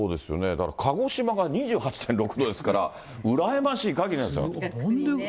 だから鹿児島が２８．６度ですから、羨ましいかぎりなんですよ。